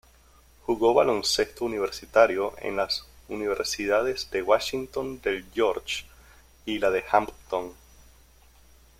Jugó baloncesto universitario en las universidades de Washington del George y la de Hampton.